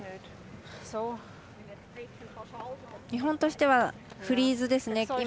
日本としてはフリーズですね。